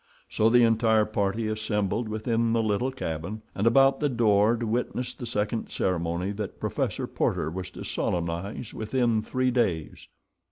So the entire party assembled within the little cabin and about the door to witness the second ceremony that Professor Porter was to solemnize within three days.